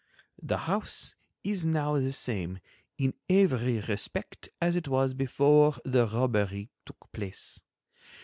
The house is now the same in every respect as it was before the robbery took place.